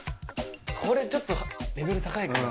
これちょっとレベル高いかもな。